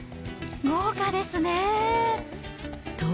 豪華ですね。